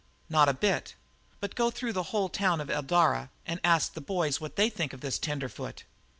"Not a bit. But go through the whole town or Eldara and ask the boys what they think of this tenderfoot.